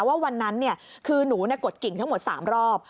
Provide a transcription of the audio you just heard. ว่าวันนั้นคือหนูกดกิ่งทั้งหมด๓รอบ